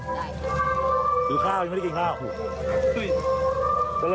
คือข้าวยังไม่ได้กินข้าว